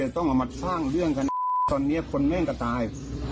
ตอนนี้คนแม่งก็ตาย